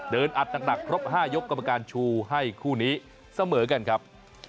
อัดหนักครบ๕ยกกรรมการชูให้คู่นี้เสมอกันครับ